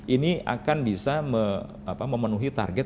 ini akan bisa memenuhi target